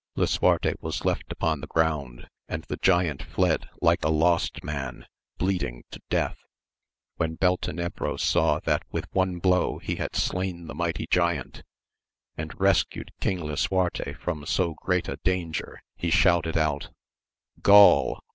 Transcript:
Lisuarte was left upon the ground, and the giant fled like a lost man, bleeding to death. When Beltenebros saw that with that one blow he had slain the mighty giant, and rescued King Lisuarte from so ^eat a danger, he shouted out, Gaul